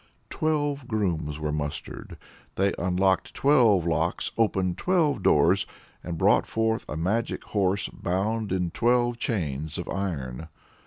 Twelve grooms were mustered, they unlocked twelve locks, opened twelve doors, and brought forth a magic horse bound in twelve chains of iron.